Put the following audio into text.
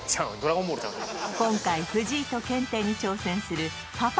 今回藤井と検定に挑戦するパパ